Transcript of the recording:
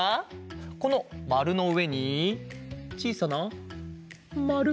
このまるのうえにちいさなまる。